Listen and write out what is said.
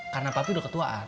karena papi udah ketuaan